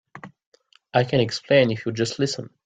I can explain if you'll just listen.